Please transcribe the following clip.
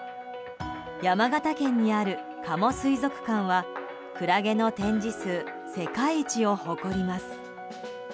山形県にある加茂水族館はクラゲの展示数世界一を誇ります。